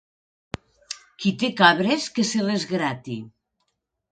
Qui té cabres, que se les grati.